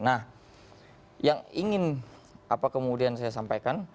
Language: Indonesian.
nah yang ingin apa kemudian saya sampaikan